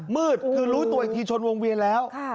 มืดคือรู้ตัวอีกทีชนวงเวียนแล้ว